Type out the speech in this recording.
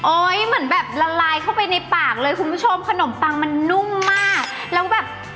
เหมือนแบบละลายเข้าไปในปากเลยคุณผู้ชมขนมปังมันนุ่มมากแล้วแบบ